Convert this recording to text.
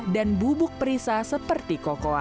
dan bubuk perisa seperti cocoa